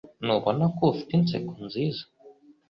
Ntubona ko afite inseko nziza?